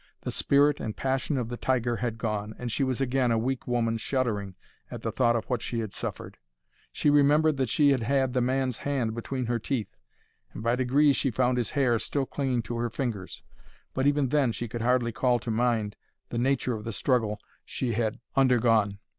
The spirit and passion of the tiger had gone, and she was again a weak woman shuddering at the thought of what she had suffered. She remembered that she had had the man's hand between her teeth, and by degrees she found his hair still clinging to her fingers; but even then she could hardly call to mind the nature of the struggle she had undergone.